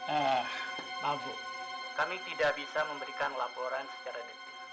eh maaf bu kami tidak bisa memberikan laporan secara detail